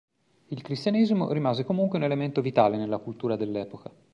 Il cristianesimo rimase comunque un elemento vitale nella cultura dell'epoca.